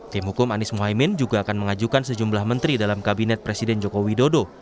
tim hukum anies mohaimin juga akan mengajukan sejumlah menteri dalam kabinet presiden joko widodo